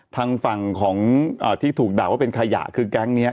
ทางฝั่งของที่ถูกด่าว่าเป็นขยะคือแก๊งนี้